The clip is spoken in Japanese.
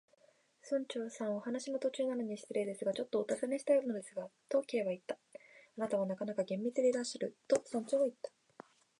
「村長さん、お話の途中なのに失礼ですが、ちょっとおたずねしたいのですが」と、Ｋ はいった。「あなたはなかなか厳密でいらっしゃる」と、村長はいった。